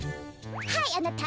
はいあなた。